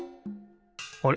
あれ？